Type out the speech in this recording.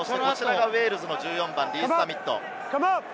ウェールズの１４番はリース＝ザミット。